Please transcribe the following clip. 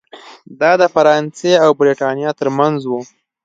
دا د فرانسې او برېټانیا ترمنځ و.